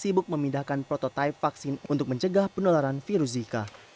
sibuk memindahkan prototipe vaksin untuk mencegah penularan virus zika